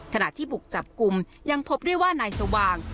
ขณะที่บุกจับกลุ่มยังพบได้ว่านายสว่าง